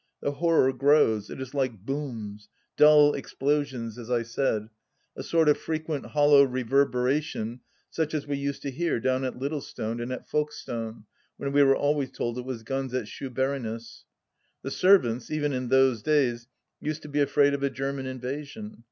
The horror grows. It is like Booms — dull explosions, as I said — a sort of frequent hollow reverberation such as we used to hear down at Littlestone and at Folkestone, when we were always told it was guns at Shoeburyness. The servants, even in those days, used to be afraid of a German invasion.